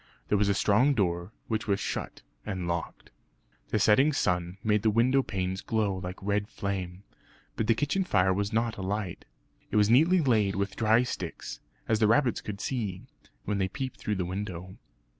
There was a strong door, which was shut and locked. The setting sun made the window panes glow like red flame; but the kitchen fire was not alight. It was neatly laid with dry sticks, as the rabbits could see, when they peeped through the window.